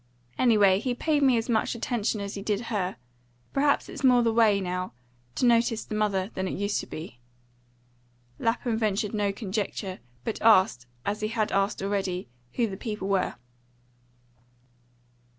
Anyway, he paid me as much attention as he did her. Perhaps it's more the way, now, to notice the mother than it used to be." Lapham ventured no conjecture, but asked, as he had asked already, who the people were.